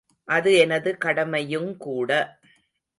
அது எனது கடமையுங்கூட.